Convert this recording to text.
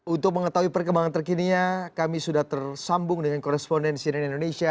untuk mengetahui perkembangan terkininya kami sudah tersambung dengan korespondensi dari indonesia